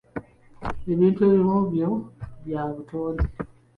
Ebintu ebimu byo bya butonde.